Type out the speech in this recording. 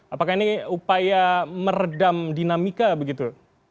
apakah ini upaya meredam dinamika begitu